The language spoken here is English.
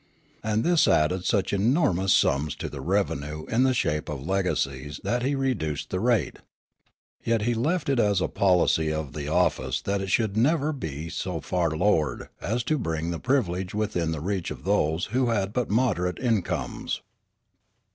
And this added such enormous sums to the revenue in the shape of legacies that he reduced the rate. Yet he left it as a policy of the office that it should never be so far lowered as to bring the privilege within the reach of those who had but moderate incomes.